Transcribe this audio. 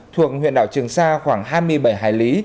thuộc huyện đảo trường sa khoảng hai mươi bảy hải lý